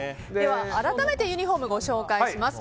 改めてユニホームご紹介します。